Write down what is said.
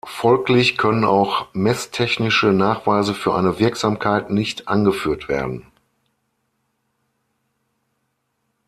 Folglich können auch messtechnische Nachweise für eine Wirksamkeit nicht angeführt werden.